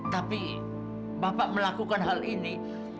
tapi bapak melakukan hal ini